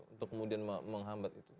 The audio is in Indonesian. untuk kemudian menghambat itu